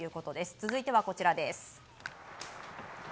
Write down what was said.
続いてはこちらです。